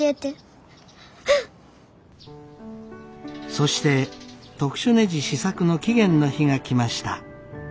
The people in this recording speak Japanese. そして特殊ねじ試作の期限の日が来ました。